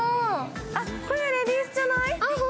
これ、レディースじゃない？